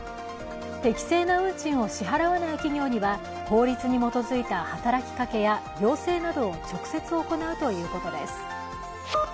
適正な運賃を支払わない企業には法律に基づいた働きかけや要請などを直接行うということです。